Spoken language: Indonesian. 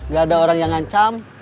gak ada orang yang ngancam